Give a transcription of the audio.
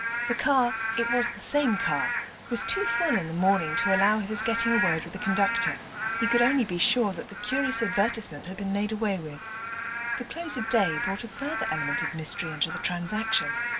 The car (it was the same car) was too full in the morning to allow of his getting a word with the conductor: he could only be sure that the curious advertisement had been made away with. The close of the day brought a further element of mystery into the transaction.